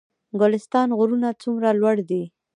ګلستان غرونه څومره لوړ دي؟